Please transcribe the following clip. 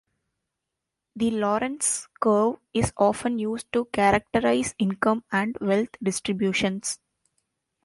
The Lorenz curve is often used to characterize income and wealth distributions.